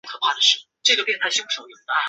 贵州大学前任校长是陈坚。